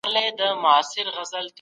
زه په لاري کي له بدو خبرو ځان ساتم.